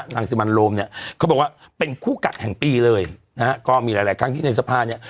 รังศิมรโมรมนี้เขาบอกว่าเป็นคู่กัดแห่งปีเลยนะครับก็มีหลายครั้งที่ในภาพเนี้ย